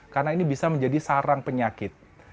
karena ini bisa menjadi sarang penyakit